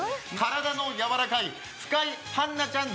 体のやわらかいはんなちゃん。